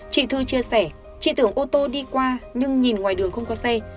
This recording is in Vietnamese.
chị thư chia sẻ chị tưởng ô tô đi qua nhưng nhìn ngoài đường không có xe